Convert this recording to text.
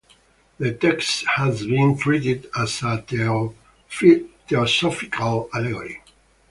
The text has been treated as a theosophical allegory.